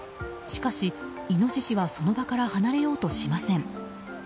しかし、イノシシはその場から離れようとしません。